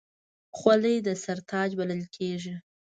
خولۍ د سر تاج بلل کېږي.